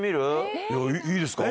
いいですか？